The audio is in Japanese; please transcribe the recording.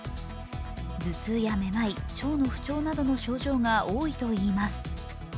頭痛やめまい、腸の不調などの症状が多いといいます。